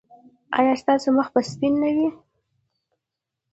ایا ستاسو مخ به سپین نه وي؟